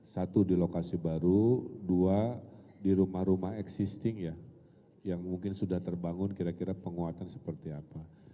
satu di lokasi baru dua di rumah rumah existing ya yang mungkin sudah terbangun kira kira penguatan seperti apa